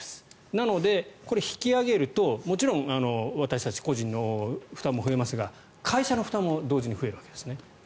なので、これを引き上げるともちろん私たち個人の負担も増えますが会社の負担も同時に増えるわけですね。